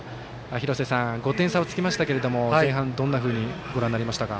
廣瀬さん、５点差はつきましたが前半、どんなふうにご覧になりましたか。